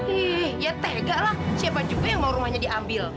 ih ya tega lah siapa juga yang mau rumahnya diambil